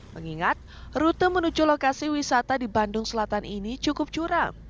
mengingat rute menuju lokasi wisata di bandung selatan ini cukup curam